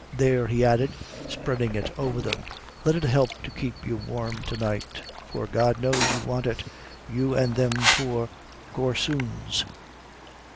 There," he added, spreading it over them; "let it help to keep you warm to night for God knows, you want it, you an' them poor gorsoons.